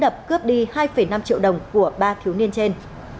bước đi hai năm triệu đồng của ba thiếu niên trên